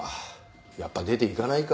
やっぱ出ていかないか。